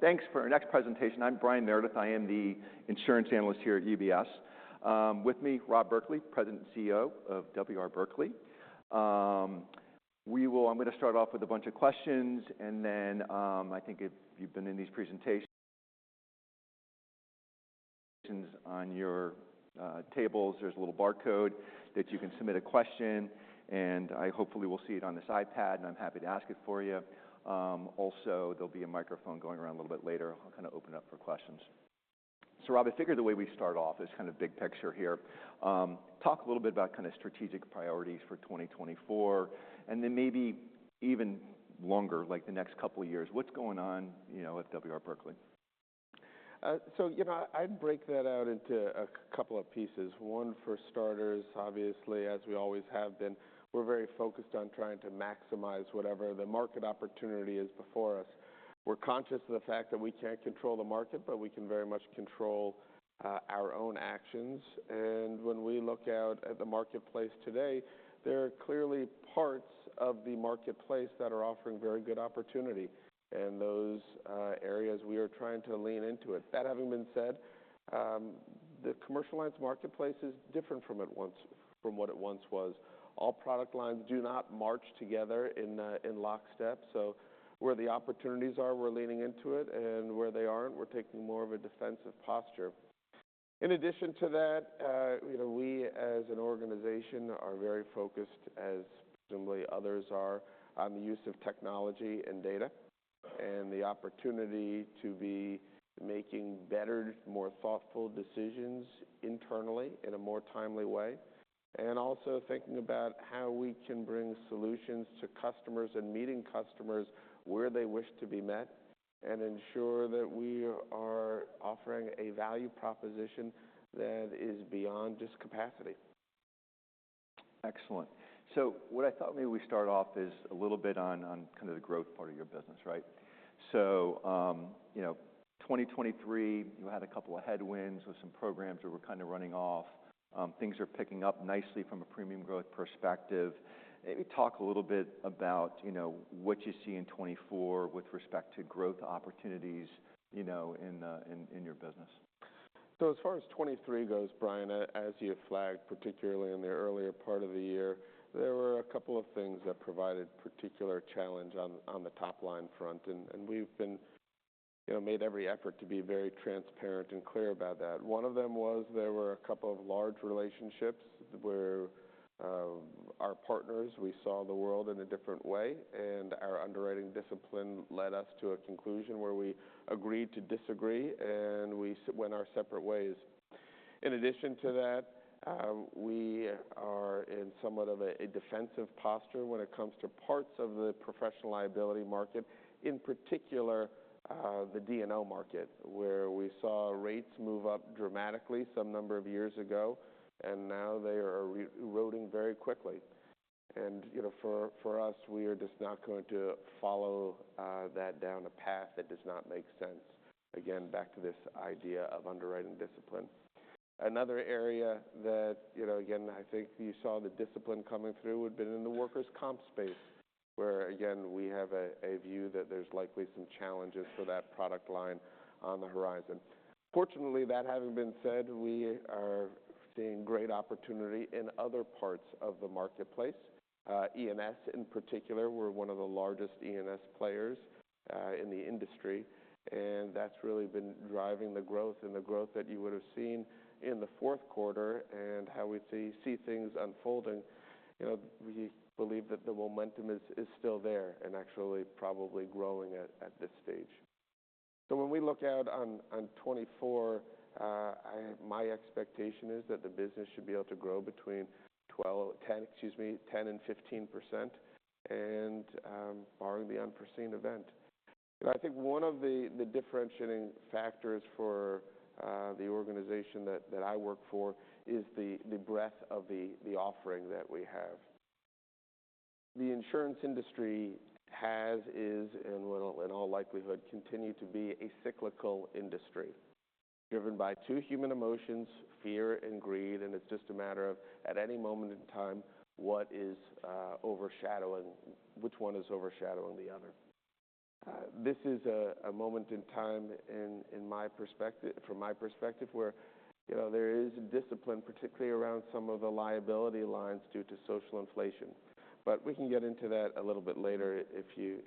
Thanks for our next presentation. I'm Brian Meredith. I am the insurance analyst here at UBS. With me, Rob Berkley, President and CEO of W. R. Berkley. I'm going to start off with a bunch of questions, and then, I think if you've been in these presentations, on your tables, there's a little barcode that you can submit a question, and I hopefully will see it on this iPad, and I'm happy to ask it for you. Also, there'll be a microphone going around a little bit later. I'll kind of open up for questions. So Rob, I figure the way we start off is kind of big picture here. Talk a little bit about kind of strategic priorities for 2024, and then maybe even longer, like the next couple of years. What's going on, you know, at W. R. Berkley? So, you know, I'd break that out into a couple of pieces. One, for starters, obviously, as we always have been, we're very focused on trying to maximize whatever the market opportunity is before us. We're conscious of the fact that we can't control the market, but we can very much control our own actions. And when we look out at the marketplace today, there are clearly parts of the marketplace that are offering very good opportunity, and those areas we are trying to lean into it. That having been said, the commercial lines marketplace is different from what it once was. All product lines do not march together in lockstep, so where the opportunities are, we're leaning into it, and where they aren't, we're taking more of a defensive posture. In addition to that, you know, we, as an organization, are very focused, as presumably others are, on the use of technology and data, and the opportunity to be making better, more thoughtful decisions internally in a more timely way. And also thinking about how we can bring solutions to customers and meeting customers where they wish to be met, and ensure that we are offering a value proposition that is beyond just capacity. Excellent. So what I thought maybe we start off is a little bit on, on kind of the growth part of your business, right? So, you know, 2023, you had a couple of headwinds with some programs that were kind of running off. Things are picking up nicely from a premium growth perspective. Maybe talk a little bit about, you know, what you see in 2024 with respect to growth opportunities, you know, in, in, in your business. So as far as 2023 goes, Brian, as you flagged, particularly in the earlier part of the year, there were a couple of things that provided particular challenge on the top line front, and we've, you know, made every effort to be very transparent and clear about that. One of them was there were a couple of large relationships where our partners we saw the world in a different way, and our underwriting discipline led us to a conclusion where we agreed to disagree, and we went our separate ways. In addition to that, we are in somewhat of a defensive posture when it comes to parts of the professional liability market, in particular the D&O market, where we saw rates move up dramatically some number of years ago, and now they are re-eroding very quickly. You know, for us, we are just not going to follow that down a path that does not make sense. Again, back to this idea of underwriting discipline. Another area that, you know, again, I think you saw the discipline coming through would have been in the workers' comp space, where again, we have a view that there's likely some challenges for that product line on the horizon. Fortunately, that having been said, we are seeing great opportunity in other parts of the marketplace. E&S in particular, we're one of the largest E&S players in the industry, and that's really been driving the growth and the growth that you would have seen in the Q4 and how we see things unfolding. You know, we believe that the momentum is still there and actually probably growing at this stage. So when we look out on 2024, my expectation is that the business should be able to grow between 10, excuse me, 10 and 15% and, barring the unforeseen event. But I think one of the differentiating factors for the organization that I work for is the breadth of the offering that we have. The insurance industry has, is, and will in all likelihood, continue to be a cyclical industry, driven by two human emotions: fear and greed, and it's just a matter of, at any moment in time, what is overshadowing--which one is overshadowing the other. This is a moment in time, from my perspective, where, you know, there is discipline, particularly around some of the liability lines due to social inflation. But we can get into that a little bit later if you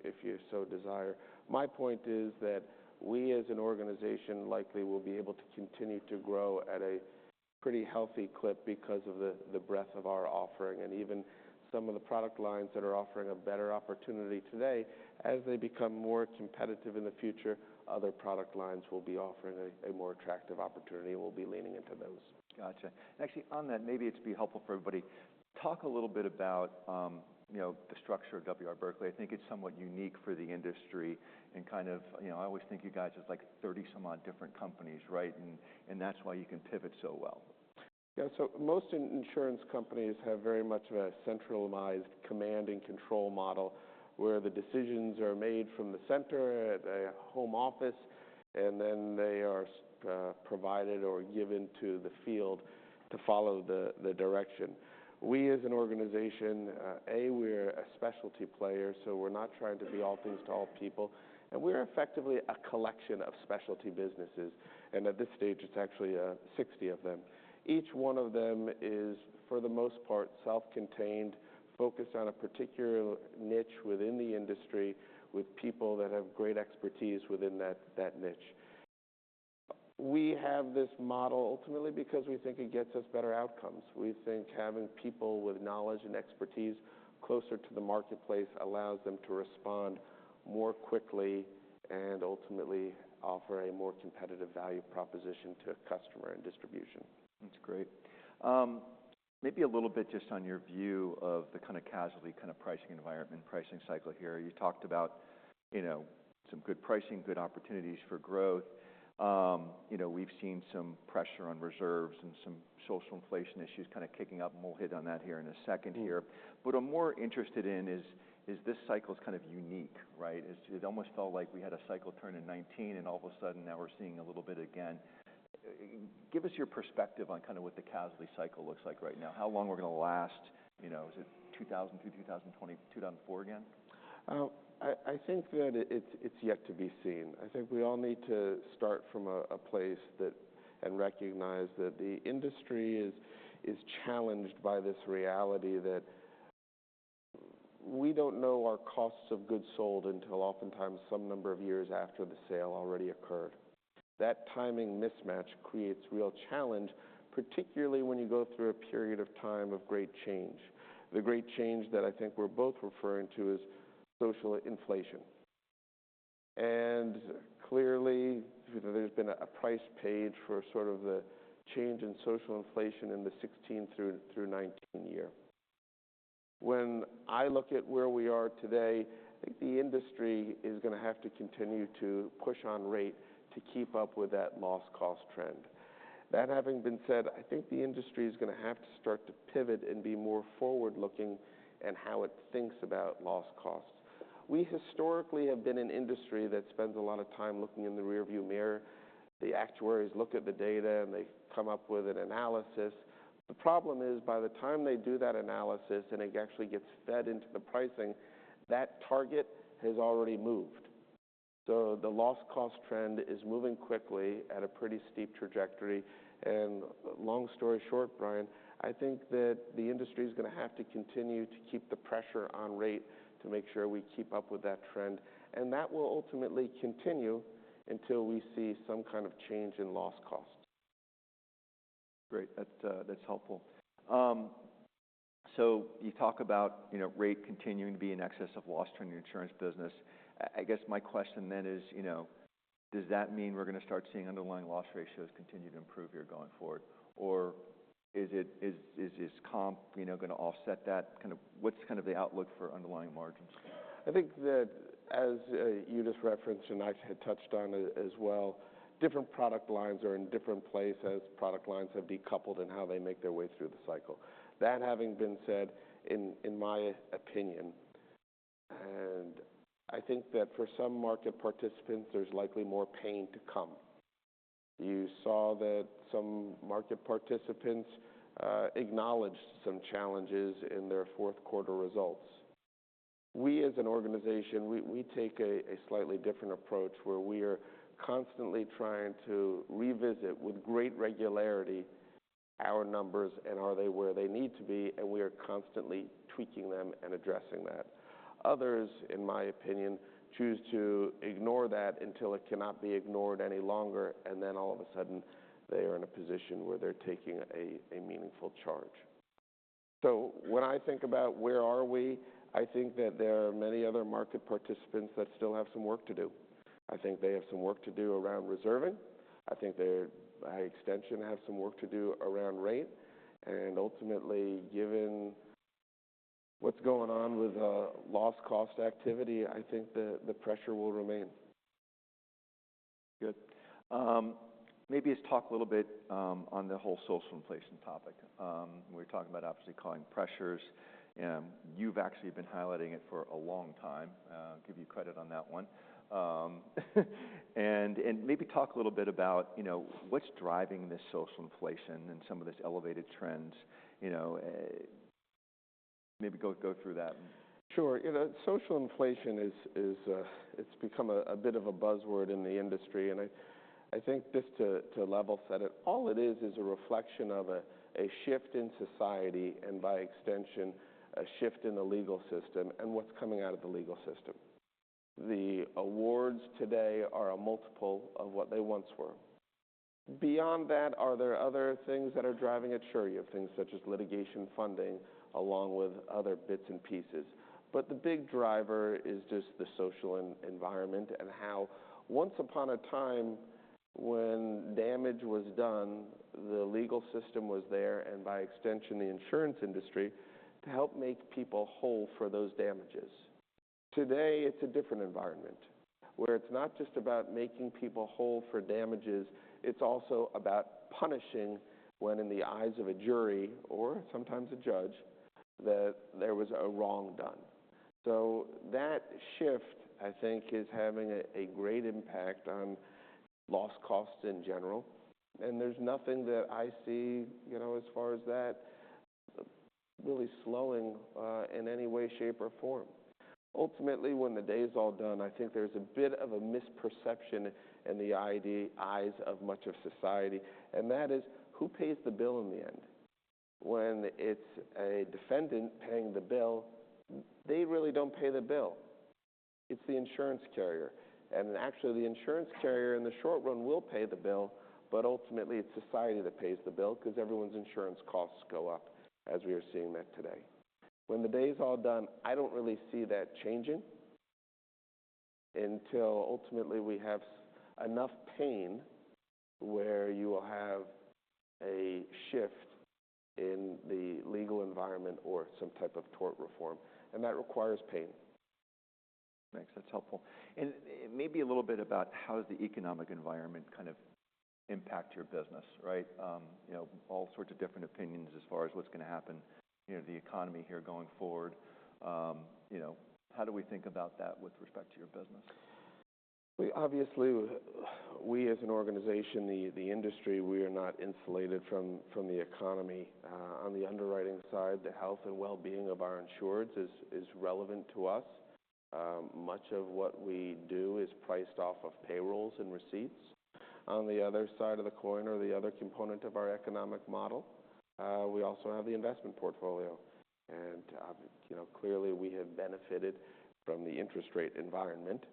so desire. My point is that we, as an organization, likely will be able to continue to grow at a pretty healthy clip because of the breadth of our offering and even some of the product lines that are offering a better opportunity today. As they become more competitive in the future, other product lines will be offering a more attractive opportunity, and we'll be leaning into those. Gotcha. Actually, on that, maybe it'd be helpful for everybody. Talk a little bit about, you know, the structure of W. R. Berkley. I think it's somewhat unique for the industry and kind of, you know, I always think you guys as like thirty some odd different companies, right? And that's why you can pivot so well. Yeah. So most insurance companies have very much of a centralized command and control model, where the decisions are made from the center, at a home office, and then they are provided or given to the field to follow the direction. We, as an organization, we're a specialty player, so we're not trying to be all things to all people. And we're effectively a collection of specialty businesses, and at this stage, it's actually 60 of them. Each one of them is, for the most part, self-contained, focused on a particular niche within the industry, with people that have great expertise within that niche. We have this model ultimately because we think it gets us better outcomes. We think having people with knowledge and expertise closer to the marketplace allows them to respond more quickly and ultimately offer a more competitive value proposition to a customer and distribution. That's great. Maybe a little bit just on your view of the kind of casualty, kind of pricing environment, pricing cycle here. You talked about, you know, some good pricing, good opportunities for growth. You know, we've seen some pressure on reserves and some social inflation issues kind of kicking up, and we'll hit on that here in a second here. Mm-hmm. But I'm more interested in is, is this cycle is kind of unique, right? It's, it almost felt like we had a cycle turn in 2019, and all of a sudden, now we're seeing a little bit again. Give us your perspective on kind of what the casualty cycle looks like right now, how long we're going to last. You know, is it 2002 to 2020... 2004 again? I think that it's yet to be seen. I think we all need to start from a place that and recognize that the industry is challenged by this reality that we don't know our costs of goods sold until oftentimes some number of years after the sale already occurred. That timing mismatch creates real challenge, particularly when you go through a period of time of great change. The great change that I think we're both referring to is social inflation. And clearly, there's been a price paid for sort of the change in social inflation in the 2016 through 2019 year. When I look at where we are today, I think the industry is going to have to continue to push on rate to keep up with that loss cost trend. That having been said, I think the industry is going to have to start to pivot and be more forward-looking in how it thinks about loss costs. We historically have been an industry that spends a lot of time looking in the rearview mirror. The actuaries look at the data, and they come up with an analysis. The problem is, by the time they do that analysis, and it actually gets fed into the pricing, that target has already moved. So the loss cost trend is moving quickly at a pretty steep trajectory. And long story short, Brian, I think that the industry is going to have to continue to keep the pressure on rate to make sure we keep up with that trend, and that will ultimately continue until we see some kind of change in loss costs. Great. That's, that's helpful. So you talk about, you know, rate continuing to be in excess of loss trend in the insurance business. I guess my question then is, you know, does that mean we're going to start seeing underlying loss ratios continue to improve here going forward? Or is it... comp, you know, going to offset that? Kind of, what's kind of the outlook for underlying margins? I think that, as you just referenced, and I had touched on as well, different product lines are in different places. Product lines have decoupled in how they make their way through the cycle. That having been said, in my opinion, and I think that for some market participants, there's likely more pain to come. You saw that some market participants acknowledged some challenges in their Q4 results. We, as an organization, we take a slightly different approach, where we are constantly trying to revisit, with great regularity, our numbers and are they where they need to be, and we are constantly tweaking them and addressing that. Others, in my opinion, choose to ignore that until it cannot be ignored any longer, and then all of a sudden, they are in a position where they're taking a meaningful charge. So when I think about where are we, I think that there are many other market participants that still have some work to do. I think they have some work to do around reserving. I think they, by extension, have some work to do around rate. And ultimately, given what's going on with loss cost activity, I think the pressure will remain. Good. Maybe let's talk a little bit on the whole social inflation topic. We're talking about obviously claim pressures, and you've actually been highlighting it for a long time, give you credit on that one. And maybe talk a little bit about, you know, what's driving this social inflation and some of this elevated trends, you know, maybe go through that. Sure. You know, social inflation is. It's become a bit of a buzzword in the industry, and I think just to level set it, all it is, is a reflection of a shift in society and, by extension, a shift in the legal system and what's coming out of the legal system. The awards today are a multiple of what they once were. Beyond that, are there other things that are driving it? Sure, you have things such as litigation funding, along with other bits and pieces. But the big driver is just the social environment and how once upon a time, when damage was done, the legal system was there, and by extension, the insurance industry, to help make people whole for those damages. Today, it's a different environment, where it's not just about making people whole for damages. It's also about punishing when, in the eyes of a jury or sometimes a judge, that there was a wrong done. So that shift, I think, is having a great impact on loss costs in general, and there's nothing that I see, you know, as far as that really slowing in any way, shape, or form. Ultimately, when the day is all done, I think there's a bit of a misperception in the eyes of much of society, and that is: who pays the bill in the end? When it's a defendant paying the bill, they really don't pay the bill. It's the insurance carrier. Actually, the insurance carrier, in the short run, will pay the bill, but ultimately it's society that pays the bill because everyone's insurance costs go up, as we are seeing that today. When the day is all done, I don't really see that changing until ultimately we have enough pain where you will have a shift in the legal environment or some type of tort reform, and that requires pain. Thanks. That's helpful. Maybe a little bit about how the economic environment kind of impact your business, right? You know, all sorts of different opinions as far as what's going to happen, you know, the economy here going forward. You know, how do we think about that with respect to your business? We obviously, we as an organization, the industry, we are not insulated from the economy. On the underwriting side, the health and well-being of our insureds is relevant to us. Much of what we do is priced off of payrolls and receipts. On the other side of the coin, or the other component of our economic model, we also have the investment portfolio. You know, clearly we have benefited from the interest rate environment,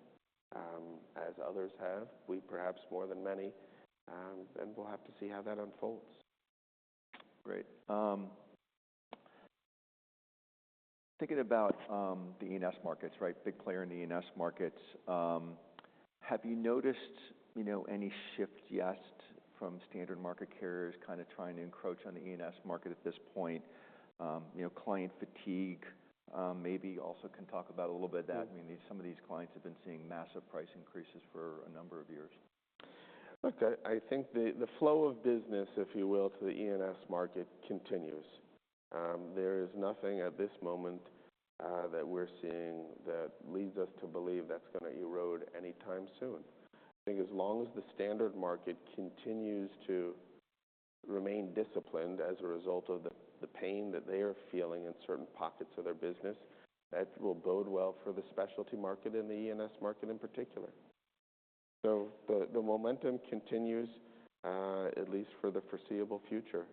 as others have, we perhaps more than many, and we'll have to see how that unfolds. Great. Thinking about the E&S markets, right? Big player in the E&S markets. Have you noticed, you know, any shift yet from standard market carriers kind of trying to encroach on the E&S market at this point? You know, client fatigue, maybe also can talk about a little bit of that. Sure. I mean, some of these clients have been seeing massive price increases for a number of years. Look, I think the flow of business, if you will, to the E&S market continues. There is nothing at this moment that we're seeing that leads us to believe that's going to erode anytime soon. I think as long as the standard market continues to remain disciplined as a result of the pain that they are feeling in certain pockets of their business, that will bode well for the specialty market and the E&S market in particular. So the momentum continues, at least for the foreseeable future.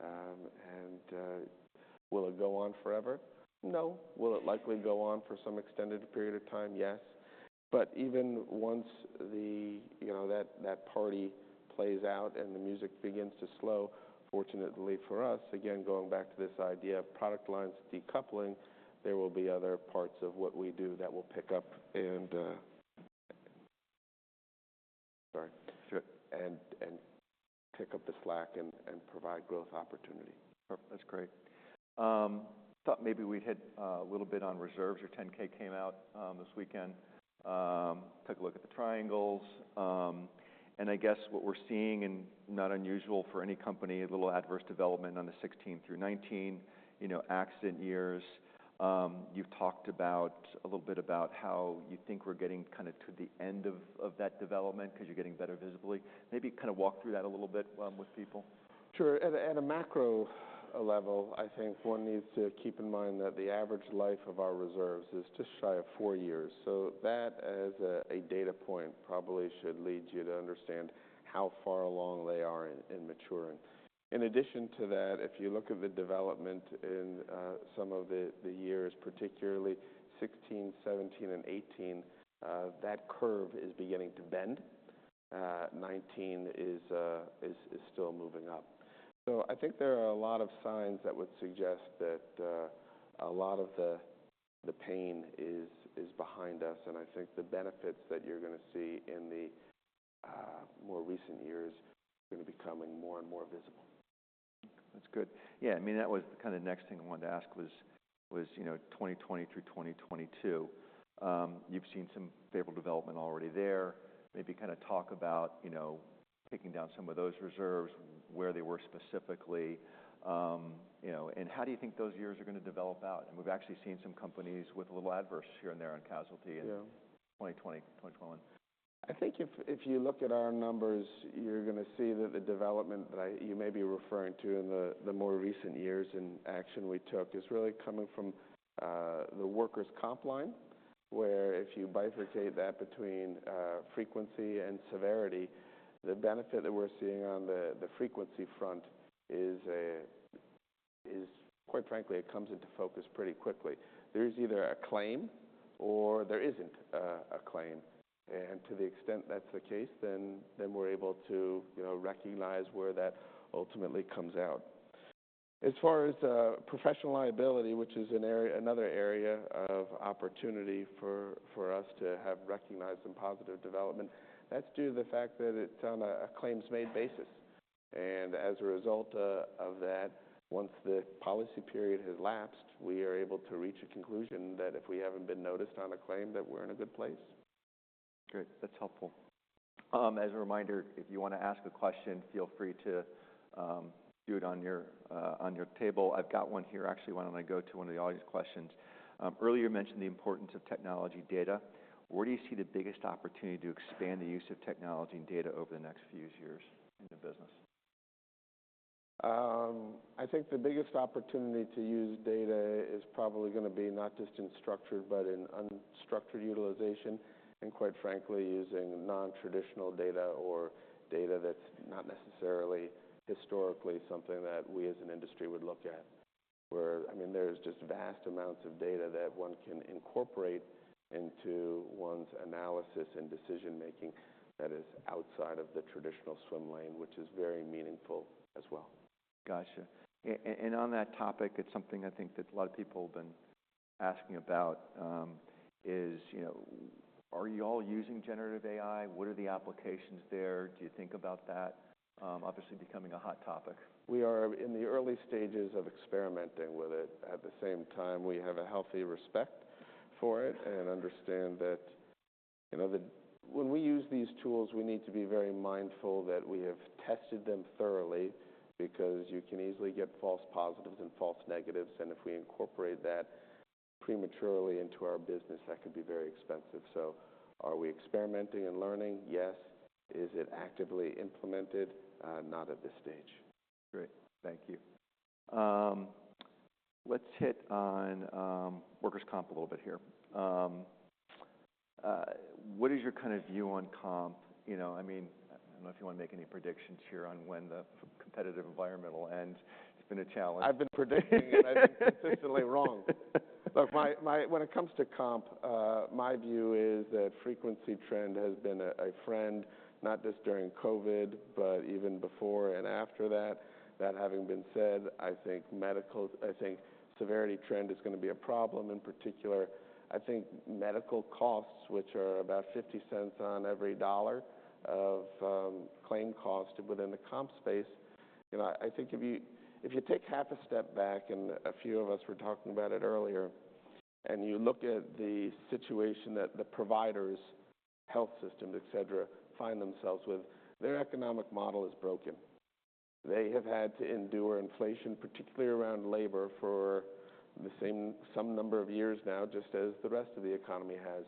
And will it go on forever? No. Will it likely go on for some extended period of time? Yes. But even once the, you know, that party plays out and the music begins to slow, fortunately for us, again, going back to this idea of product lines decoupling, there will be other parts of what we do that will pick up and, sorry, pick up the slack and provide growth opportunity. Perfect. That's great. Thought maybe we'd hit a little bit on reserves. Your 10-K came out this weekend. Took a look at the triangles. And I guess what we're seeing, and not unusual for any company, a little adverse development on the 2016-2019, you know, accident years. You've talked about a little bit about how you think we're getting kind of to the end of that development because you're getting better visibly. Maybe kind of walk through that a little bit with people. Sure. At a macro level, I think one needs to keep in mind that the average life of our reserves is just shy of four years. So that, as a data point, probably should lead you to understand how far along they are in maturing. In addition to that, if you look at the development in some of the years, particularly 2016, 2017, and 2018, that curve is beginning to bend. 2019 is still moving up. So I think there are a lot of signs that would suggest that a lot of the pain is behind us, and I think the benefits that you're going to see in the more recent years are going to becoming more and more visible. That's good. Yeah, I mean, that was kind of next thing I wanted to ask was, you know, 2020 through 2022. You've seen some favorable development already there. Maybe kind of talk about, you know, taking down some of those reserves, where they were specifically. You know, and how do you think those years are going to develop out? And we've actually seen some companies with a little adverse here and there on casualty in- Yeah... 2020, 2021. I think if you look at our numbers, you're going to see that the development that you may be referring to in the more recent years and action we took is really coming from the workers' comp line. Where if you bifurcate that between frequency and severity, the benefit that we're seeing on the frequency front is quite frankly it comes into focus pretty quickly. There's either a claim or there isn't a claim, and to the extent that's the case, then we're able to you know recognize where that ultimately comes out. As far as professional liability, which is another area of opportunity for us to have recognized some positive development, that's due to the fact that it's on a claims-made basis. As a result of that, once the policy period has lapsed, we are able to reach a conclusion that if we haven't been noticed on a claim, that we're in a good place.... Great, that's helpful. As a reminder, if you want to ask a question, feel free to do it on your table. I've got one here. Actually, why don't I go to one of the audience questions? Earlier, you mentioned the importance of technology data. Where do you see the biggest opportunity to expand the use of technology and data over the next few years in the business? I think the biggest opportunity to use data is probably going to be not just in structured, but in unstructured utilization, and quite frankly, using non-traditional data or data that's not necessarily historically something that we as an industry would look at, where, I mean, there's just vast amounts of data that one can incorporate into one's analysis and decision-making that is outside of the traditional swim lane, which is very meaningful as well. Gotcha. And on that topic, it's something I think that a lot of people have been asking about, is, you know, are you all using generative AI? What are the applications there? Do you think about that? Obviously becoming a hot topic. We are in the early stages of experimenting with it. At the same time, we have a healthy respect for it and understand that, you know, when we use these tools, we need to be very mindful that we have tested them thoroughly, because you can easily get false positives and false negatives, and if we incorporate that prematurely into our business, that could be very expensive. So are we experimenting and learning? Yes. Is it actively implemented? Not at this stage. Great, thank you. Let's hit on workers' comp a little bit here. What is your kind of view on comp? You know, I mean, I don't know if you want to make any predictions here on when the competitive environmental end. It's been a challenge. I've been predicting, and I've been consistently wrong. Look, my... When it comes to comp, my view is that frequency trend has been a friend, not just during COVID, but even before and after that. That having been said, I think medical- I think severity trend is going to be a problem in particular. I think medical costs, which are about $0.50 on every $1 of claim cost within the comp space, you know, I think if you take half a step back, and a few of us were talking about it earlier, and you look at the situation that the providers, health systems, etc., find themselves with, their economic model is broken. They have had to endure inflation, particularly around labor, for the same- some number of years now, just as the rest of the economy has.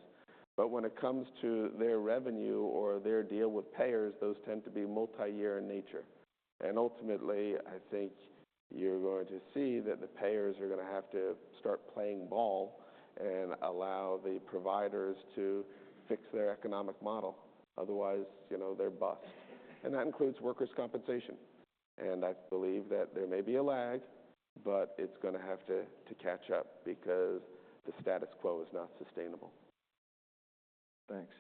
When it comes to their revenue or their deal with payers, those tend to be multi-year in nature. Ultimately, I think you're going to see that the payers are going to have to start playing ball and allow the providers to fix their economic model. Otherwise, you know, they're bust. That includes workers' compensation, and I believe that there may be a lag, but it's going to have to catch up because the status quo is not sustainable. Thanks.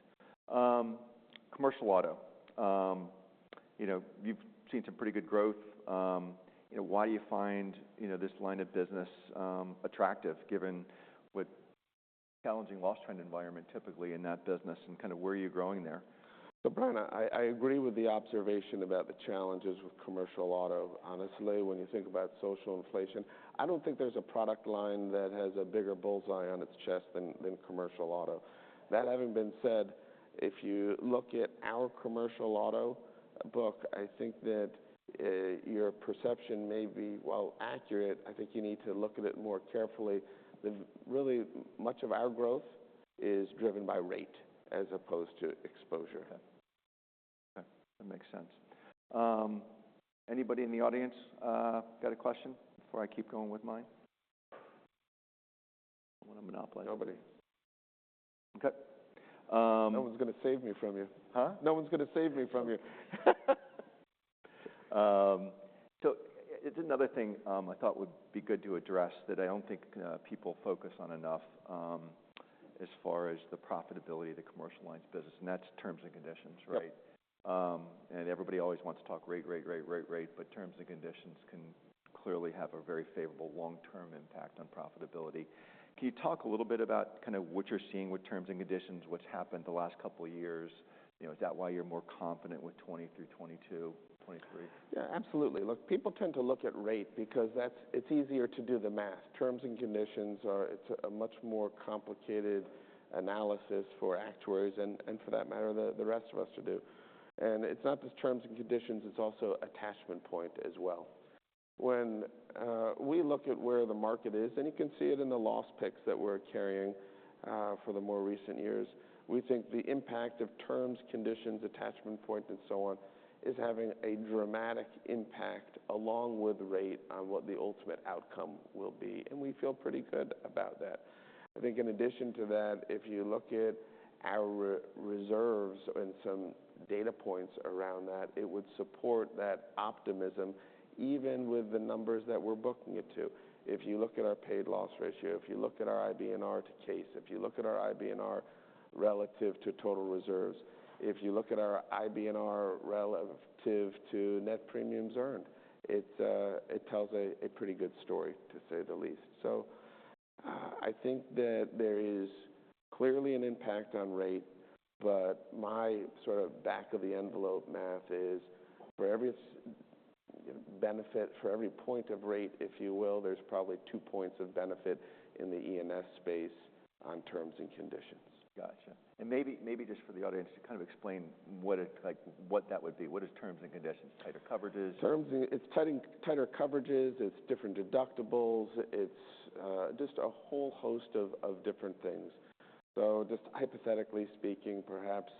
commercial auto. You know, you've seen some pretty good growth. You know, why do you find, you know, this line of business, attractive, given with challenging loss trend environment typically in that business, and kind of where are you growing there? So, Brian, I agree with the observation about the challenges with commercial auto. Honestly, when you think about social inflation, I don't think there's a product line that has a bigger bullseye on its chest than commercial auto. That having been said, if you look at our commercial auto book, I think that your perception may be, while accurate, I think you need to look at it more carefully. Really, much of our growth is driven by rate as opposed to exposure. Okay. That makes sense. Anybody in the audience got a question before I keep going with mine? I don't want to monopolize. Nobody. Okay, um- No one's going to save me from you. Huh? No one's going to save me from you. So it's another thing I thought would be good to address, that I don't think people focus on enough, as far as the profitability of the commercial lines business, and that's terms and conditions, right? Yep. And everybody always wants to talk rate but terms and conditions can clearly have a very favorable long-term impact on profitability. Can you talk a little bit about kind of what you're seeing with terms and conditions, what's happened the last couple of years? You know, is that why you're more confident with 2020 through 2022, 2023? Yeah, absolutely. Look, people tend to look at rate because that's, it's easier to do the math. terms and conditions are, it's a much more complicated analysis for actuaries and, and for that matter, the, the rest of us to do. And it's not just terms and conditions, it's also attachment point as well. When we look at where the market is, and you can see it in the loss picks that we're carrying, for the more recent years, we think the impact of terms, conditions, attachment point, and so on, is having a dramatic impact, along with rate, on what the ultimate outcome will be. And we feel pretty good about that. I think in addition to that, if you look at our reserves and some data points around that, it would support that optimism, even with the numbers that we're booking it to. If you look at our paid loss ratio, if you look at our IBNR to case, if you look at our IBNR relative to total reserves, if you look at our IBNR relative to net premiums earned, it, it tells a pretty good story, to say the least. So, I think that there is clearly an impact on rate, but my sort of back-of-the-envelope math is for every benefit for every point of rate, if you will, there's probably two points of benefit in the E&S space on terms and conditions. Gotcha. Maybe, maybe just for the audience to kind of explain what it, like, what that would be. What is terms and conditions? Tighter coverages? Terms and... It's tighter, tighter coverages, it's different deductibles. It's just a whole host of different things. So just hypothetically speaking, perhaps,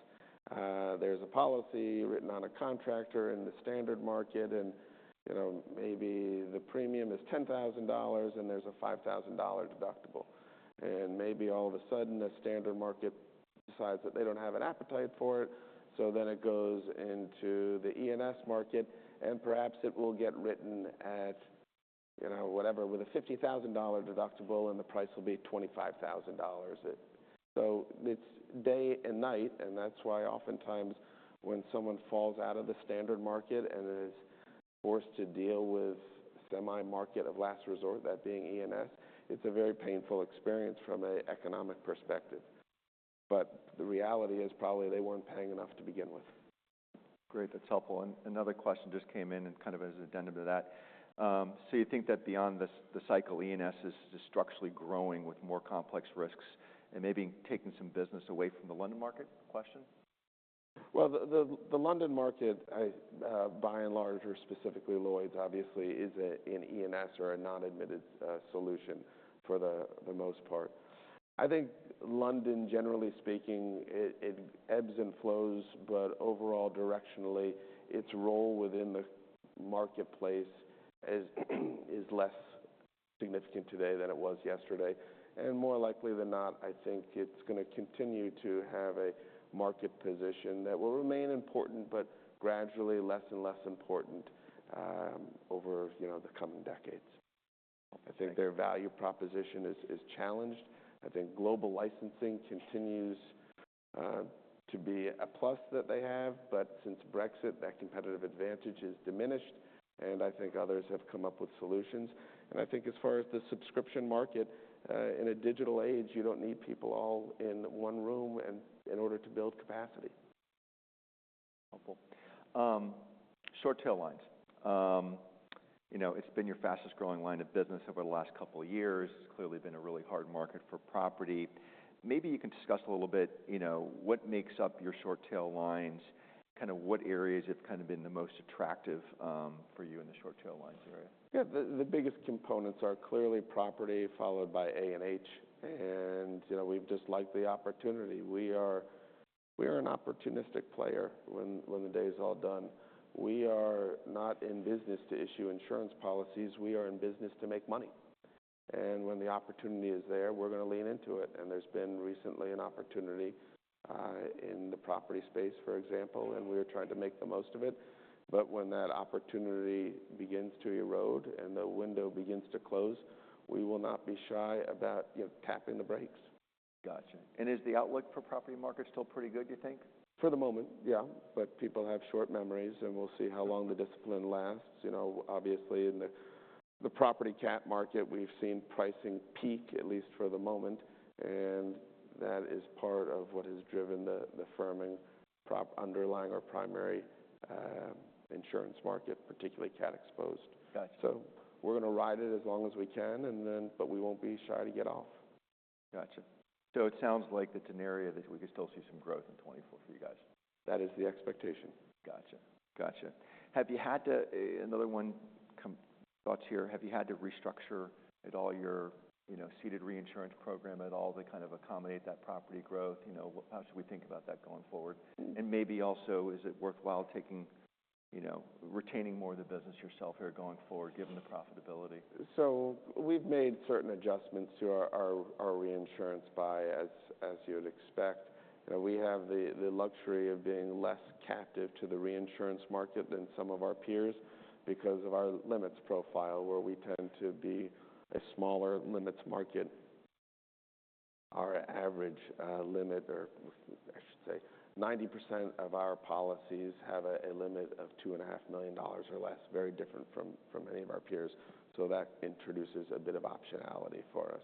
there's a policy written on a contractor in the standard market, and, you know, maybe the premium is $10,000 and there's a $5,000 deductible. And maybe all of a sudden, the standard market decides that they don't have an appetite for it, so then it goes into the E&S market, and perhaps it will get written at, you know, whatever, with a $50,000 deductible, and the price will be $25,000. So it's day and night, and that's why oftentimes when someone falls out of the standard market and is forced to deal with E&S market of last resort, that being E&S, it's a very painful experience from an economic perspective. But the reality is probably they weren't paying enough to begin with. Great, that's helpful. Another question just came in and kind of as addendum to that. So you think that beyond this, the cycle E&S is structurally growing with more complex risks and maybe taking some business away from the London market? Question. Well, the London market, by and large, or specifically Lloyd's obviously, is an E&S or a non-admitted solution for the most part. I think London, generally speaking, ebbs and flows, but overall, directionally, its role within the marketplace is less significant today than it was yesterday. And more likely than not, I think it's going to continue to have a market position that will remain important, but gradually less and less important, over, you know, the coming decades. I think their value proposition is challenged. I think global licensing continues to be a plus that they have, but since Brexit, that competitive advantage has diminished, and I think others have come up with solutions. I think as far as the subscription market, in a digital age, you don't need people all in one room in order to build capacity. Helpful. Short tail lines. You know, it's been your fastest-growing line of business over the last couple of years. It's clearly been a really hard market for property. Maybe you can discuss a little bit, you know, what makes up your short tail lines, kind of what areas have kind of been the most attractive, for you in the short tail lines area? Yeah. The biggest components are clearly property, followed by A&H, and, you know, we've just liked the opportunity. We are an opportunistic player when the day is all done. We are not in business to issue insurance policies; we are in business to make money. And when the opportunity is there, we're going to lean into it. And there's been recently an opportunity in the property space, for example, and we are trying to make the most of it. But when that opportunity begins to erode and the window begins to close, we will not be shy about, you know, tapping the brakes. Gotcha. And is the outlook for property market still pretty good, you think? For the moment, yeah. But people have short memories, and we'll see how long the discipline lasts. You know, obviously in the property cat market, we've seen pricing peak, at least for the moment, and that is part of what has driven the firming prop underlying our primary insurance market, particularly cat exposed. Gotcha. So we're going to ride it as long as we can, and then, but we won't be shy to get off. Gotcha. So it sounds like it's an area that we could still see some growth in 2024 for you guys. That is the expectation. Gotcha. Gotcha. Have you had to restructure at all your, you know, ceded reinsurance program at all to kind of accommodate that property growth? You know, how should we think about that going forward? And maybe also, is it worthwhile taking, you know, retaining more of the business yourself here going forward, given the profitability? So we've made certain adjustments to our reinsurance buy, as you'd expect. We have the luxury of being less captive to the reinsurance market than some of our peers because of our limits profile, where we tend to be a smaller limits market. Our average limit, or I should say, 90% of our policies have a limit of $2.5 million or less, very different from any of our peers. So that introduces a bit of optionality for us.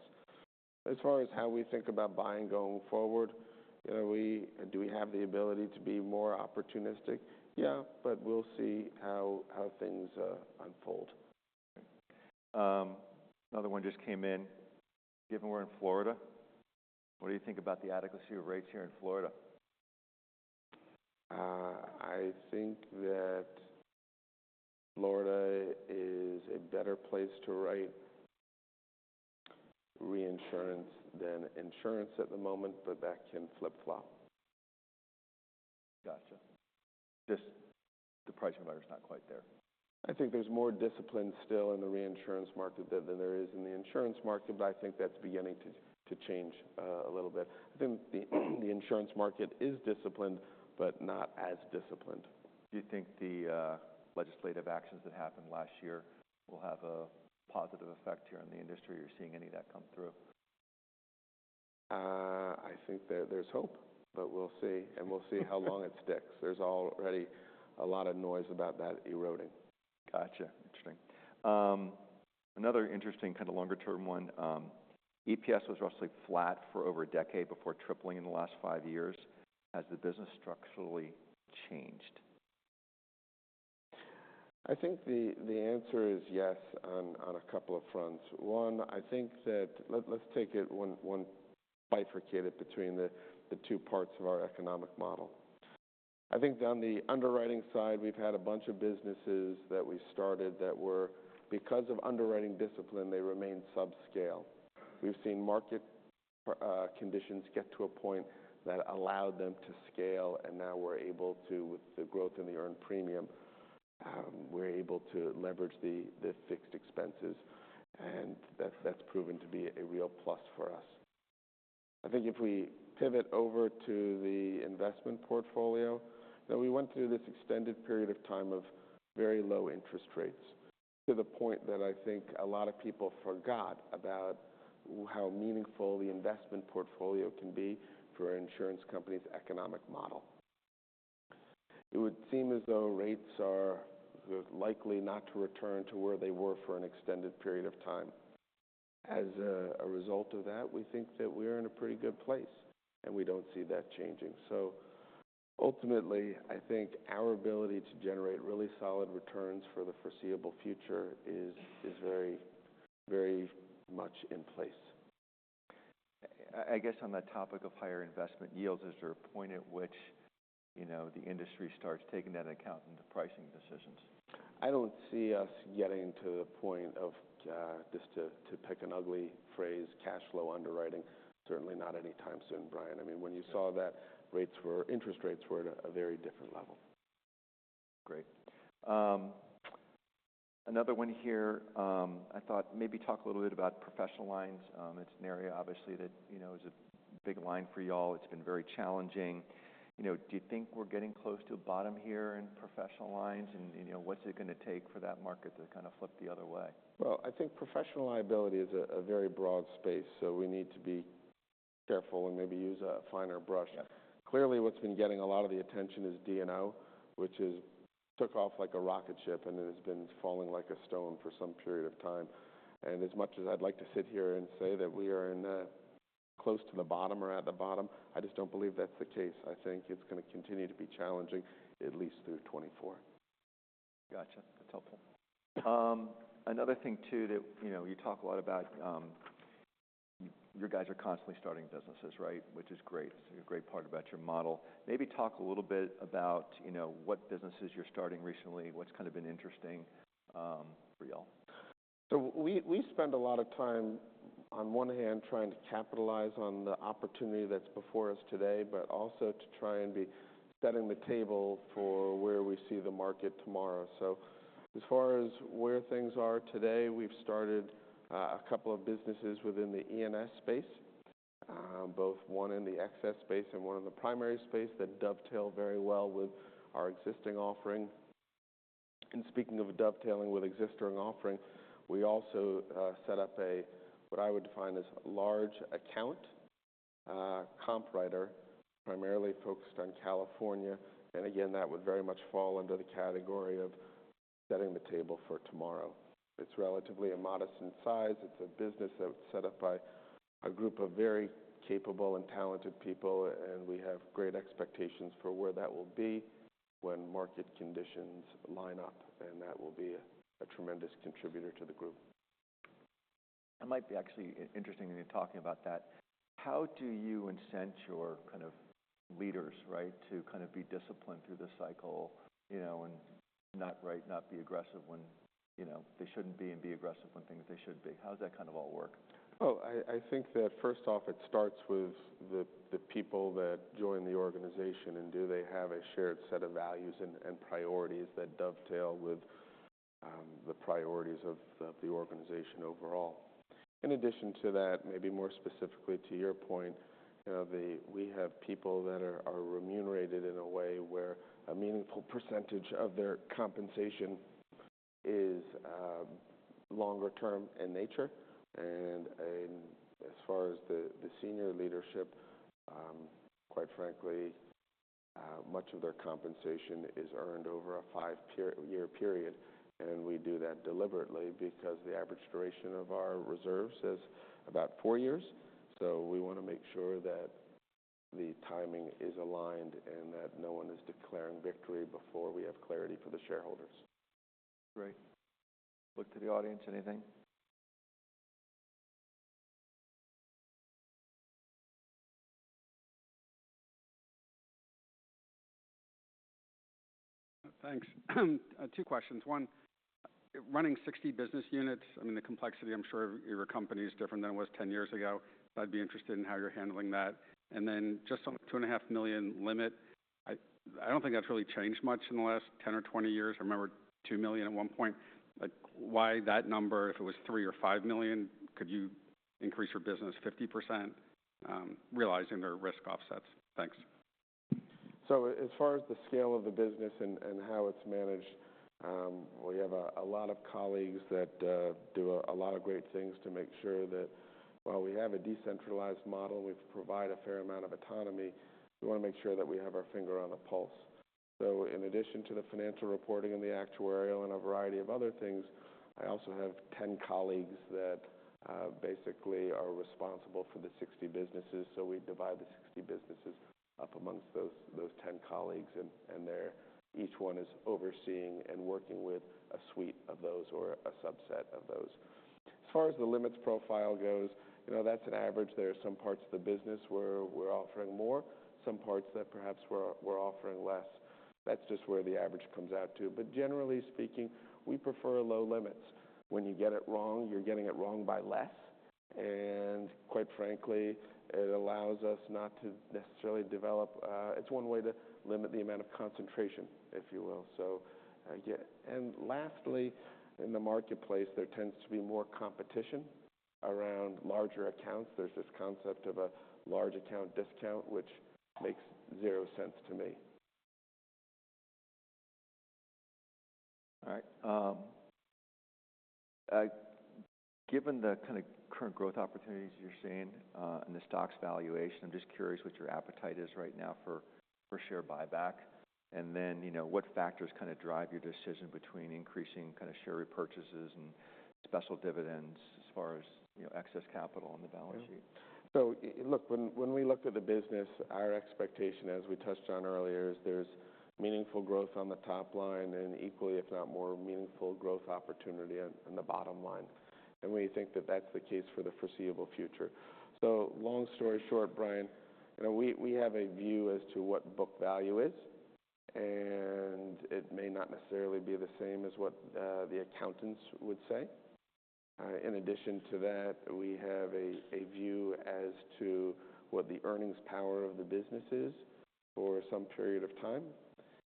As far as how we think about buying going forward, you know, do we have the ability to be more opportunistic? Yeah, but we'll see how things unfold. Another one just came in: Given we're in Florida, what do you think about the adequacy of rates here in Florida? I think that Florida is a better place to write reinsurance than insurance at the moment, but that can flip-flop. Gotcha. Just the pricing letter is not quite there. I think there's more discipline still in the reinsurance market than there is in the insurance market, but I think that's beginning to change a little bit. I think the insurance market is disciplined, but not as disciplined. Do you think the legislative actions that happened last year will have a positive effect here on the industry? Are you seeing any of that come through? I think there's hope, but we'll see, and we'll see how long it sticks. There's already a lot of noise about that eroding. Gotcha. Another interesting kind of longer term one, EPS was roughly flat for over a decade before tripling in the last five years. Has the business structurally changed? I think the answer is yes on a couple of fronts. One, let's take it one bifurcated between the two parts of our economic model. I think on the underwriting side, we've had a bunch of businesses that we started that were, because of underwriting discipline, they remained subscale. We've seen market conditions get to a point that allowed them to scale, and now we're able to, with the growth in the earned premium, leverage the fixed expenses, and that's proven to be a real plus for us. I think if we pivot over to the investment portfolio, that we went through this extended period of time of very low interest rates, to the point that I think a lot of people forgot about how meaningful the investment portfolio can be for an insurance company's economic model. It would seem as though rates are likely not to return to where they were for an extended period of time. As a result of that, we think that we're in a pretty good place, and we don't see that changing. So ultimately, I think our ability to generate really solid returns for the foreseeable future is very, very much in place. I guess on that topic of higher investment yields, is there a point at which, you know, the industry starts taking that into account in the pricing decisions? I don't see us getting to the point of just to pick an ugly phrase, cash flow underwriting. Certainly not anytime soon, Brian. I mean, when you saw that, rates were, interest rates were at a very different level. Great. Another one here, I thought maybe talk a little bit about professional lines. It's an area obviously that, you know, is a big line for y'all. It's been very challenging. You know, do you think we're getting close to a bottom here in professional lines? And, you know, what's it gonna take for that market to kind of flip the other way? Well, I think professional liability is a very broad space, so we need to be careful and maybe use a finer brush. Yeah. Clearly, what's been getting a lot of the attention is D&O, which is took off like a rocket ship and it has been falling like a stone for some period of time. As much as I'd like to sit here and say that we are in, close to the bottom or at the bottom, I just don't believe that's the case. I think it's gonna continue to be challenging at least through 2024. Gotcha. That's helpful. Another thing too that, you know, you talk a lot about, you guys are constantly starting businesses, right? Which is great. It's a great part about your model. Maybe talk a little bit about, you know, what businesses you're starting recently, what's kind of been interesting, for y'all. So we spend a lot of time, on one hand, trying to capitalize on the opportunity that's before us today, but also to try and be setting the table for where we see the market tomorrow. So as far as where things are today, we've started a couple of businesses within the E&S space, both one in the excess space and one in the primary space, that dovetail very well with our existing offering. And speaking of dovetailing with existing offering, we also set up a what I would define as large account comp writer, primarily focused on California. And again, that would very much fall under the category of setting the table for tomorrow. It's relatively modest in size. It's a business that was set up by a group of very capable and talented people, and we have great expectations for where that will be when market conditions line up, and that will be a tremendous contributor to the group. It might be actually interesting in talking about that. How do you incent your kind of leaders, right, to kind of be disciplined through the cycle, you know, and not right, not be aggressive when, you know, they shouldn't be, and be aggressive when things they should be? How does that kind of all work? I think that first off, it starts with the people that join the organization, and do they have a shared set of values and priorities that dovetail with the priorities of the organization overall. In addition to that, maybe more specifically to your point, you know, we have people that are remunerated in a way where a meaningful percentage of their compensation is longer term in nature. And as far as the senior leadership, quite frankly, much of their compensation is earned over a five-year period, and we do that deliberately because the average duration of our reserves is about four years. So we want to make sure that the timing is aligned and that no one is declaring victory before we have clarity for the shareholders. Great. Look to the audience, anything? Thanks. Two questions. One, running 60 business units, I mean, the complexity, I'm sure your company is different than it was 10 years ago. So I'd be interested in how you're handling that. And then just on the $2.5 million limit, I, I don't think that's really changed much in the last 10 or 20 years. I remember $2 million at one point, but why that number? If it was $3 million or $5 million, could you increase your business 50%, realizing there are risk offsets? Thanks. So as far as the scale of the business and, and how it's managed, we have a, a lot of colleagues that do a lot of great things to make sure that while we have a decentralized model, we provide a fair amount of autonomy. We want to make sure that we have our finger on the pulse. So in addition to the financial reporting and the actuarial and a variety of other things, I also have 10 colleagues that basically are responsible for the 60 businesses. So we divide the 60 businesses up amongst those, those 10 colleagues, and, and they're each one is overseeing and working with a suite of those or a subset of those. As far as the limits profile goes, you know, that's an average. There are some parts of the business where we're offering more, some parts that perhaps we're, we're offering less. That's just where the average comes out to. But generally speaking, we prefer low limits. When you get it wrong, you're getting it wrong by less, and quite frankly, it allows us not to necessarily develop. It's one way to limit the amount of concentration, if you will. So, yeah. And lastly, in the marketplace, there tends to be more competition around larger accounts. There's this concept of a large account discount, which makes zero sense to me. All right. Given the kind of current growth opportunities you're seeing, and the stock's valuation, I'm just curious what your appetite is right now for share buyback. And then, you know, what factors kind of drive your decision between increasing kind of share repurchases and special dividends as far as, you know, excess capital on the balance sheet? So, look, when we looked at the business, our expectation, as we touched on earlier, is there's meaningful growth on the top line, and equally, if not more meaningful growth opportunity on the bottom line. And we think that that's the case for the foreseeable future. So long story short, Brian, you know, we have a view as to what book value is, and it may not necessarily be the same as what the accountants would say. In addition to that, we have a view as to what the earnings power of the business is for some period of time,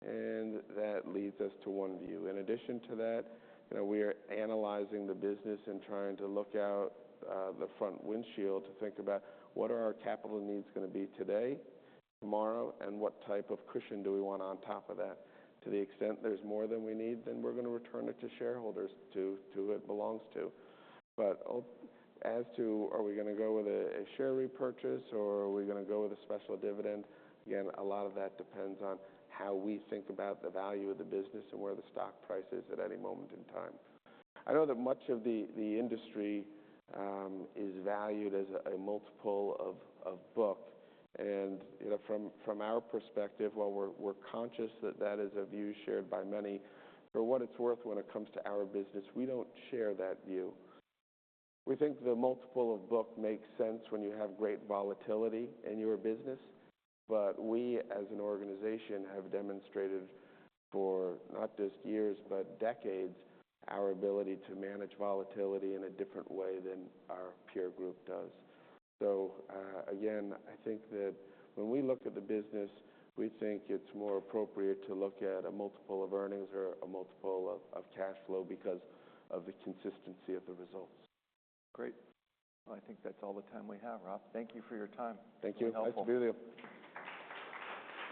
and that leads us to one view. In addition to that, you know, we are analyzing the business and trying to look out the front windshield to think about what are our capital needs gonna be today, tomorrow, and what type of cushion do we want on top of that. To the extent there's more than we need, then we're gonna return it to shareholders, to who it belongs to. But as to are we gonna go with a share repurchase, or are we gonna go with a special dividend? Again, a lot of that depends on how we think about the value of the business and where the stock price is at any moment in time. I know that much of the industry is valued as a multiple of book. You know, from our perspective, while we're conscious that that is a view shared by many. For what it's worth, when it comes to our business, we don't share that view. We think the multiple of book makes sense when you have great volatility in your business. But we, as an organization, have demonstrated for not just years but decades, our ability to manage volatility in a different way than our peer group does. Again, I think that when we look at the business, we think it's more appropriate to look at a multiple of earnings or a multiple of cash flow because of the consistency of the results. Great. I think that's all the time we have, Rob. Thank you for your time. Thank you. You're helpful. Nice to be with you.